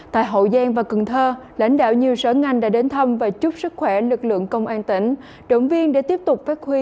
tại hậu giang và cần thơ lãnh đạo nhiều sở ngành đã đến thăm và chúc sở ngành một ngày tốt đẹp